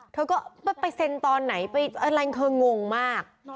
เธอก็ไปเซ็นตอนไหนไปอะไรเธองงมาก